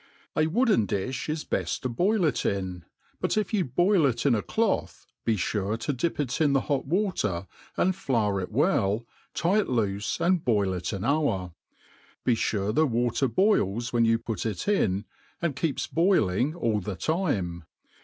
A wdbdeii dil^ is bed to boil it In ; but if you boil it in a doth, be fiir< to dip it in the hot Witer and flour it welL tie it loofe and boil it an hour* 8e fure the Wattfr boils wk^ft 'you put it iciy and keeps bojliog all the lime.